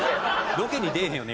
ロケに出えへんよね？